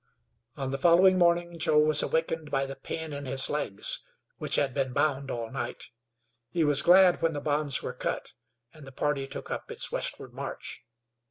On the following morning Joe was awakened by the pain in his legs, which had been bound all night. He was glad when the bonds were cut and the party took up its westward march.